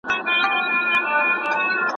زده کړه د علم د لاسته راوړلو سرچینه ده.